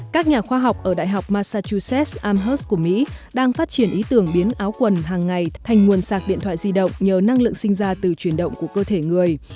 các nhà khoa học ở đại học massachusetts amhus của mỹ đang phát triển ý tưởng biến áo quần hàng ngày thành nguồn sạc điện thoại di động nhờ năng lượng sinh ra từ chuyển động của cơ thể người